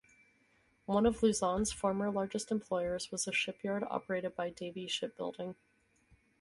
One of Lauzon's former largest employers was a shipyard operated by Davie Shipbuilding.